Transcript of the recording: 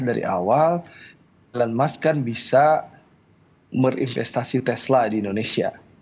dari awal elon musk kan bisa berinvestasi tesla di indonesia